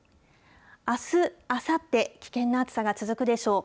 あす、あさって、危険な暑さが続くでしょう。